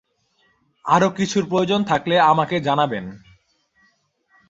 আরও কিছুর প্রয়োজন থাকলে আমাকে জানাবেন।